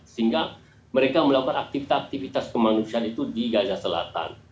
sehingga mereka melakukan aktivitas aktivitas kemanusiaan itu di gaza selatan